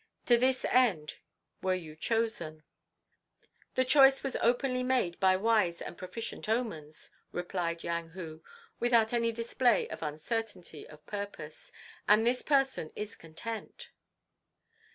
To this end were you chosen." "The choice was openly made by wise and proficient omens," replied Yang Hu, without any display of uncertainty of purpose, "and this person is content."